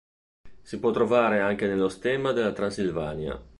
Si può trovare anche nello stemma della Transilvania.